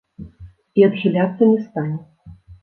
І адхіляцца не стане.